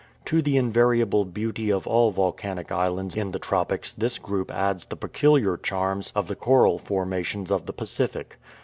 To the invariable beauty of all volcanic islands in the tropics this group adds the peculiar charms of the coral formations of the Pacific.